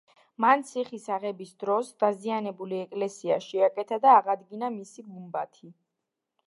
მან ციხის აღების დროს დაზიანებული ეკლესია შეაკეთა და აღადგინა მისი გუმბათი.